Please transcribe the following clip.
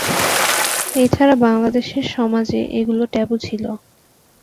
এছাড়া বাংলাদেশের সমাজে এগুলো ট্যাবু ছিলো।